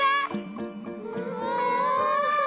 うわ！